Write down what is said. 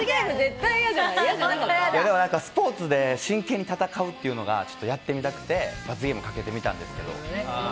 スポーツで真剣に戦うっていうのが、ちょっとやってみたくて罰ゲームかけてみたんですけど。